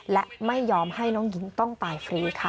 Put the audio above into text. และไม่ยอมให้น้องหญิงต้องตายฟรีค่ะ